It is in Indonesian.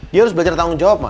dia harus belajar tanggung jawab